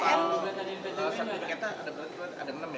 kalau tadi berkata ada enam ya